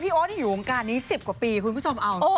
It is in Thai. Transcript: โอ๊ตอยู่วงการนี้๑๐กว่าปีคุณผู้ชมเอา